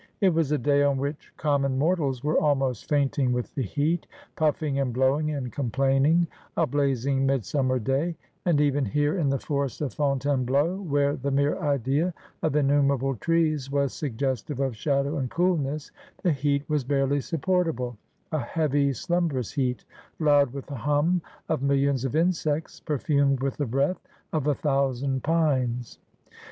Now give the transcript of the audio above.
It was a day on which common mortals were almost fainting with the heat, puffing and blowing and complaining — a blazing midsummer day ; and even here, in the forest of Fontainebleau, where the mere idea of innumerable trees was suggestive of shadow and coolness, the heat was barely supportable — a heavy slumberous heat, loud with the hum of millions of insects, per fumed with the breath of a thousand pines.